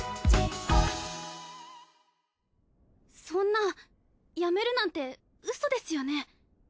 そんな辞めるなんてウソですよね？